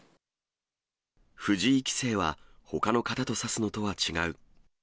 藤井棋聖は、ほかの方と指すのとは違う。